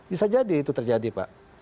bisa jadi itu terjadi pak